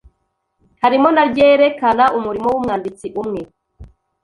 harimo na ryerekana umurimo wumwanditsi umwe